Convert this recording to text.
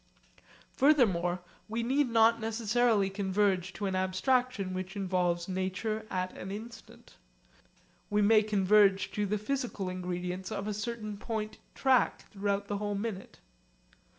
Furthermore we need not necessarily converge to an abstraction which involves nature at an instant. We may converge to the physical ingredients of a certain point track throughout the whole minute.